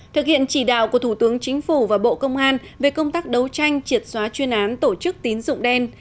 thực hiện chỉ đạo của thủ tướng chính phủ và bộ công an về công tác đấu tranh triệt xóa chuyên án tổ chức tín dụng đen